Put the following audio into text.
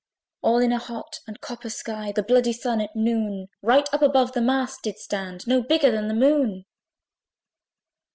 All in a hot and copper sky, The bloody Sun, at noon, Right up above the mast did stand, No bigger than the Moon.